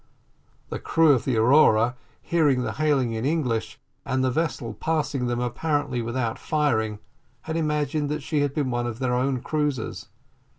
The crew of the Aurora, hearing the hailing in English, and the vessel passing them apparently without firing, had imagined that she had been one of their own cruisers.